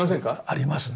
ありますね。